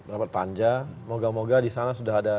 rapat panja moga moga di sana sudah ada